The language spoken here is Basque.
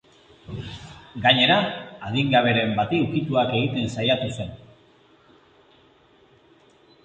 Gainera, adingaberen bati ukituak egiten saiatu zen.